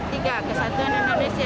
tiga kesatuan indonesia